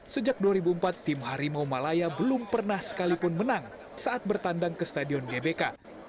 sejak dua ribu empat tim harimau malaya belum pernah sekalipun menang saat bertandang ke stadion gbk